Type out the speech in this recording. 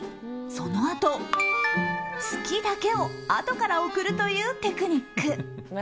そのあと、「好き！」だけをあとから送るというテクニック。